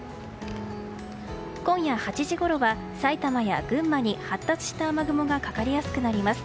今夜８時ごろは埼玉や群馬に発達した雨雲がかかりやすくなります。